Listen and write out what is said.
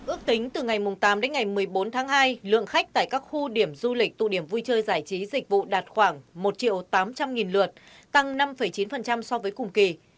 ước tính từ ngày tám đến ngày một mươi bốn tháng hai lượng khách tại các khu điểm du lịch tụ điểm vui chơi giải trí dịch vụ đạt khoảng một triệu tám trăm linh lượt tăng năm chín so với cùng kỳ